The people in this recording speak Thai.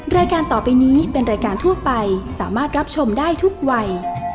รายการต่อไปนี้เป็นรายการทั่วไปสามารถรับชมได้ทุกวัย